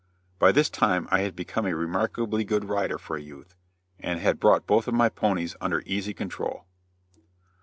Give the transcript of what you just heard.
By this time I had become a remarkably good rider for a youth, and had brought both of my ponies under easy control.